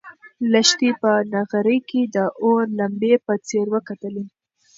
لښتې په نغري کې د اور لمبې په ځیر وکتلې.